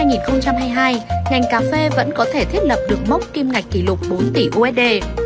ngành cà phê vẫn có thể thiết lập được mốc kim ngạch kỷ lục bốn tỷ usd